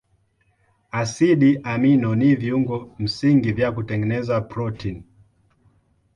Asidi amino ni viungo msingi vya kutengeneza protini.